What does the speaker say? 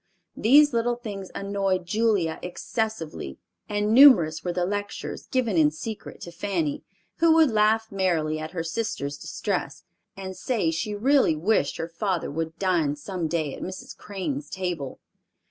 These little things annoyed Julia excessively, and numerous were the lectures given in secret to Fanny, who would laugh merrily at her sister's distress and say she really wished her father would dine some day at Mrs. Crane's table.